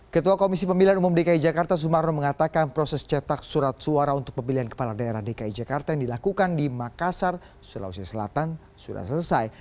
ketua komisi pemilihan umum dki jakarta sumarno mengatakan proses cetak surat suara untuk pemilihan kepala daerah dki jakarta yang dilakukan di makassar sulawesi selatan sudah selesai